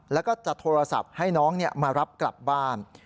แล้วก็จะโทรศัพท์ให้น้องมารับกลับบ้าน